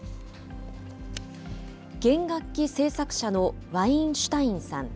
弦楽器製作者のワインシュタインさん。